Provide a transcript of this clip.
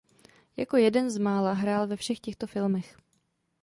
Jako jeden z mála hrál ve všech těchto filmech.